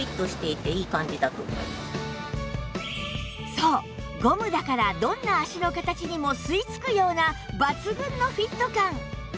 そうゴムだからどんな足の形にも吸い付くような抜群のフィット感